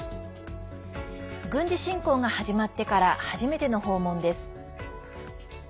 軍事侵攻が始まってから初めての訪問です。